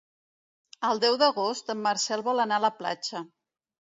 El deu d'agost en Marcel vol anar a la platja.